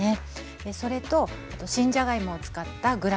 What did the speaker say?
それと新じゃがいもを使ったグラタンになります。